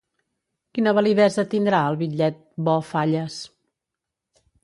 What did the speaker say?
Quina validesa tindrà el bitllet 'bo-Falles'?